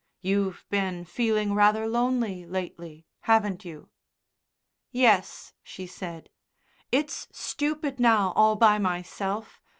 You've been feeling rather lonely lately, haven't you?" "Yes," she said. "It's stupid now all by myself.